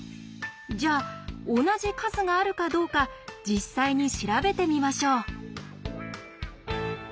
じゃあ同じ数があるかどうか実際に調べてみましょう。